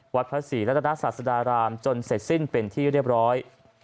วัดพระศรีรัตนาศาสดารามจนเสร็จสิ้นเป็นที่เรียบร้อย